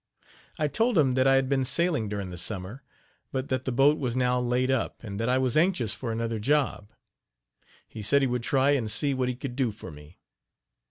I told him that I had been sailing during the summer, but that the boat was now laid up, and that I was anxious for another job. He said he would try and see what he could do for me.